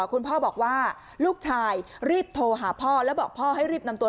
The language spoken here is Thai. คุณพ่อบอกว่าลูกชายรีบโทรหาพ่อแล้วบอกพ่อให้รีบนำตัว